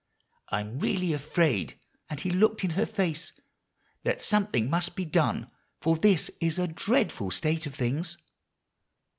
'I'm really afraid,' and he looked in her face, 'that something must be done, for this is a dreadful state of things.